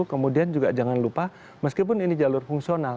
kemudian juga jangan lupa meskipun ini jalur fungsional